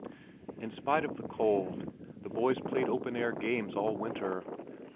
In spite of the cold, the boys played open air games all winter.